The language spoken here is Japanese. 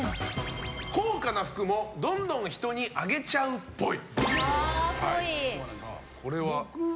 高価な服もどんどん人にあげちゃうっぽい。